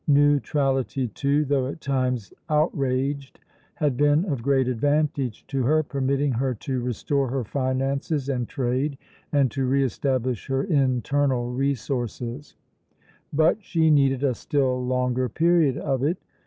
Neutrality, too, though at times outraged, had been of great advantage to her, permitting her to restore her finances and trade and to re establish her internal resources; but she needed a still longer period of it.